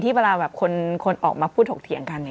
ที่เวลาคนออกมาพูดถกเถียงกันอย่างนี้